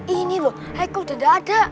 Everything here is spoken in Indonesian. ini loh haikul udah gak ada